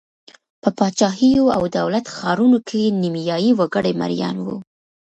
په پاچاهیو او دولت ښارونو کې نیمايي وګړي مریان وو.